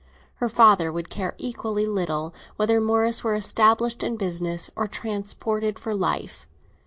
Her father would care equally little whether Morris were established in business or transported for life.